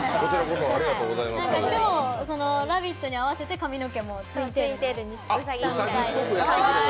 今日、「ラヴィット！」に合わせて髪の毛もツインテールに。